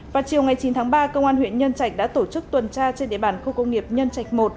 vào chiều ngày chín tháng ba công an huyện nhân trạch đã tổ chức tuần tra trên địa bàn khu công nghiệp nhân trạch một